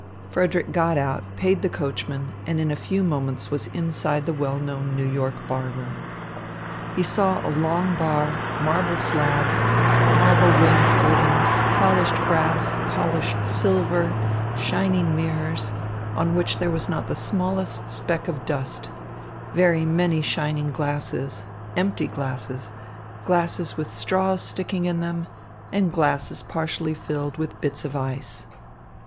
Frederick got out, paid the coachman, and in a few moments was inside the well known New York bar room. He saw a long bar, marble slabs, marble wainscoting, polished brass, polished silver, shining mirrors, on which there was not the smallest speck of dust, very many shining glasses, empty glasses, glasses with straws sticking in them, and glasses partially filled with bits of ice.